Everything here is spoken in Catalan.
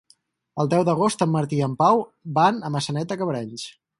El deu d'agost en Martí i en Pau van a Maçanet de Cabrenys.